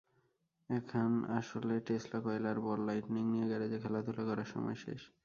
এখন আসলে Tesla coil আর বল লাইটনিং নিয়ে গ্যারেজে খেলাধুলা করার সময় শেষ।